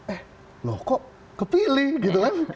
eh loh kok kepilih gitu kan